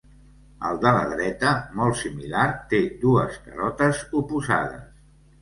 El de la dreta, molt similar, té dues carotes oposades.